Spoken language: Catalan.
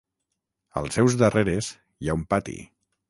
Als seus darreres hi ha un pati.